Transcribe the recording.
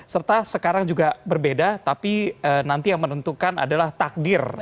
serta sekarang juga berbeda tapi nanti yang menentukan adalah takdir